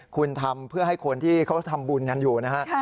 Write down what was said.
คุณทำเพื่อให้คนที่เขาทำบุญกันอยู่นะฮะ